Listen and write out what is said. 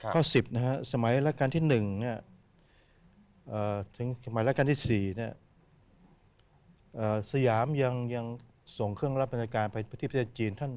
ข้อ๑๐สมัยรักการที่๑๔สยามยังส่งเครื่องรับบริษัทการไปที่ประเทศจีน